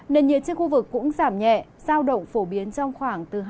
nền nhiệt trên khu vực cũng giảm nhẹ giao động phổ biến trong khoảng từ hai mươi bốn đến ba mươi ba độ